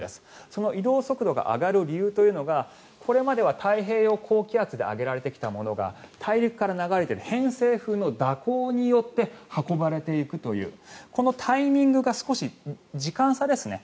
その移動速度が上がる理由というのがこれまでは太平洋高気圧で上げられてきたものが大陸から流れている偏西風の蛇行によって運ばれていくというこのタイミングが少し時間差ですね。